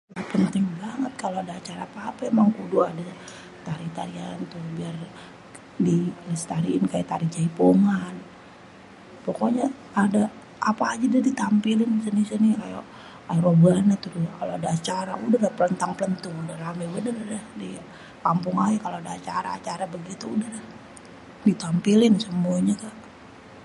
penting bangét kalo ada acara apa-apa.. émang kudu ada tari-tarian tu biar dilestariin kayak Tari Jaipongan.. pokoknya ada apa aja dah ditampilin bisa-bisa nih kayak ada rebana tuh kalo ada acara udah tuh pléntang-pléntung ramé banget dah tu di kampung ayé kalo ada acara-acara begitu udah dah ditampilin semuanya tuh..